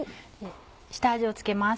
下味を付けます。